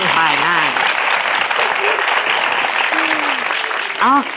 หายหน้า